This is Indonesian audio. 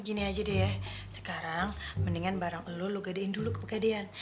gini aja deh ya sekarang mendingan barang lo lo gadein dulu ke pekadean